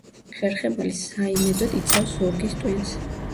ხერხემალი საიმედოდ იცავს ზურგის ტვინს.